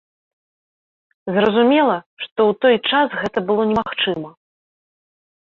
Зразумела, што ў той час гэта было немагчыма!